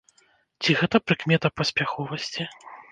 Ці гэта прыкмета паспяховасці?